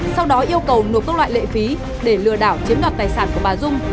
sau đó yêu cầu nộp các loại lệ phí để lừa đảo chiếm đoạt tài sản của bà dung